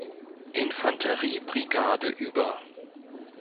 Infanteriebrigade über.